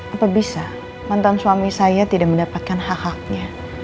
apa bisa mantan suami saya tidak mendapatkan hak haknya